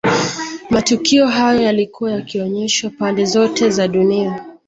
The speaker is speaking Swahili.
Matukio hayo yalikuwa yakionyeshwa pande zote za dunia